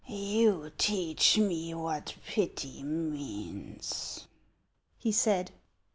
" You teach me what pity means," he said.